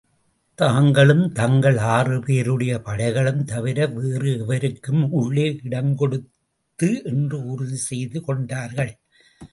தாங்களும் தங்கள் ஆறு பேருடைய படைகளும் தவிர வேறு எவருக்கும் உள்ளே இடங்கொடுத்து என்று உறுதி செய்து கொண்டார்கள்.